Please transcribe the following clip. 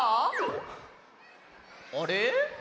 あれ？